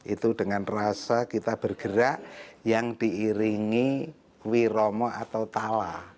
itu dengan rasa kita bergerak yang diiringi wiromo atau tala